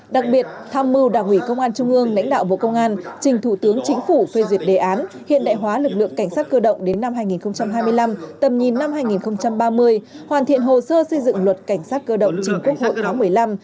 đặc biệt tham mưu đảng ủy công an trung ương lãnh đạo bộ công an trình thủ tướng chính phủ phê duyệt đề án hiện đại hóa lực lượng cảnh sát cơ động đến năm hai nghìn hai mươi năm tầm nhìn năm hai nghìn ba mươi hoàn thiện hồ sơ xây dựng luật cảnh sát cơ động trình quốc hội khóa một mươi năm